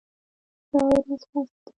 دا ورځ خاصه ده.